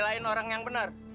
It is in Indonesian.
belain orang yang bener